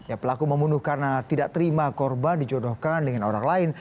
ya pelaku membunuh karena tidak terima korban dijodohkan dengan orang lain